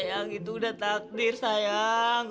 sayang itu udah takdir sayang